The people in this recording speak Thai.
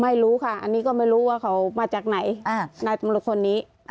ไม่รู้ค่ะอันนี้ก็ไม่รู้ว่าเขามาจากไหนนายตำรวจคนนี้